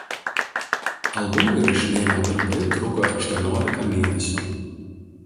Albumo įrašinėjimo darbai truko aštuoniolika mėnesių.